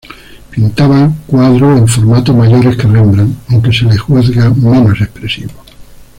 Pintaba cuadros en formatos mayores que Rembrandt, aunque se le juzga menos expresivo.